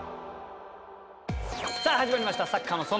さあ始まりました「サッカーの園」。